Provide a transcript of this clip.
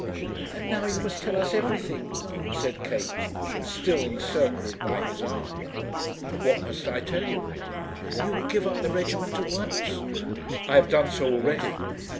"And now you must tell us everything," said Kate, still encircled by his arm. "What must I tell you?" "You will give up the regiment at once?" "I have done so already."